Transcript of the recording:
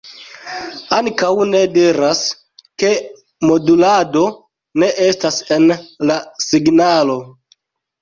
Ankaŭ ne diras, ke modulado ne estas en la signalo.